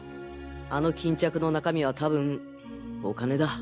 あの巾着の中身は多分お金だ！